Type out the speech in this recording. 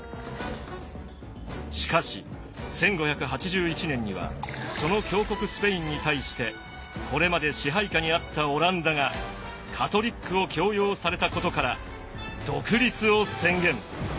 しかし１５８１年にはその強国スペインに対してこれまで支配下にあったオランダがカトリックを強要されたことから独立を宣言。